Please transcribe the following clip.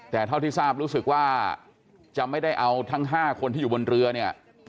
แต่เท่าที่ทราบรู้สึกว่าจะไม่ได้เอาทั้ง๕คนที่อยู่บนเรือเนี่ย